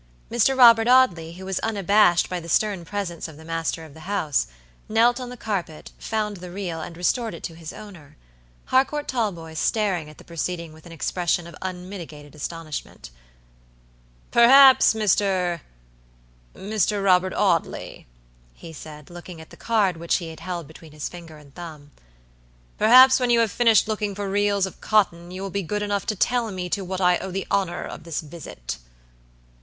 Mr. Robert Audley, who was unabashed by the stern presence of the master of the house, knelt on the carpet, found the reel, and restored it to its owner; Harcourt Talboys staring at the proceeding with an expression of unmitigated astonishment. "Perhaps, Mr. , Mr. Robert Audley!" he said, looking at the card which he held between his finger and thumb, "perhaps when you have finished looking for reels of cotton, you will be good enough to tell me to what I owe the honor of this visit?"